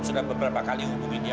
jam berapa lagi nih